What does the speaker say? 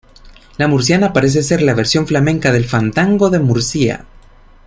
La murciana parece ser la versión flamenca del fandango de Murcia.